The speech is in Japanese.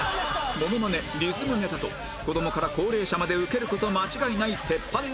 モノマネリズムネタと子どもから高齢者までウケる事間違いない鉄板ネタが完成！